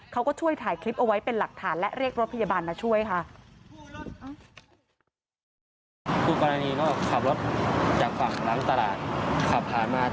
เขาก็ช่วยถ่ายคลิปเอาไว้เป็นหลักฐานและเรียกรถพยาบาลมาช่วยค่ะ